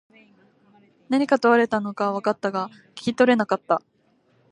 何か問われたのは分かったが、聞き取れなかった。